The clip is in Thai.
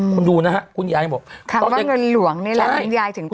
คุณดูนะฮะคุณยายบอกเพราะว่าเงินหลวงนี่แหละคุณยายถึง